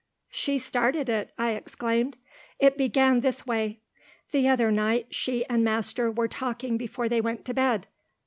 "She started it," I exclaimed. "It began this way. The other night she and master were talking before they went to bed.